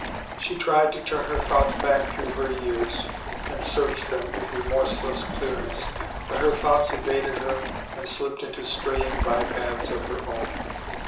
She tried to turn her thoughts back through her years, and search them with remorseless clearness, but her thoughts evaded her and slipped into straying by paths of her own.